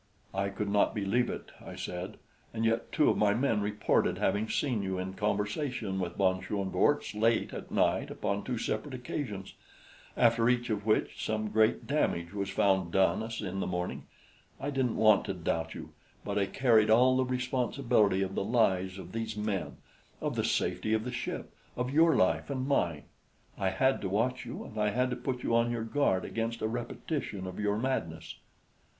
"I could not believe it," I said; "and yet two of my men reported having seen you in conversation with von Schoenvorts late at night upon two separate occasions after each of which some great damage was found done us in the morning. I didn't want to doubt you; but I carried all the responsibility of the lives of these men, of the safety of the ship, of your life and mine. I had to watch you, and I had to put you on your guard against a repetition of your madness."